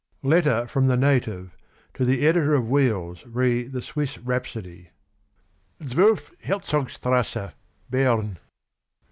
" 122 Letter from the Native to the Editor of " Wheels "re'' The Swiss Rhapsody." " 12 Herzogstrasse, Berne.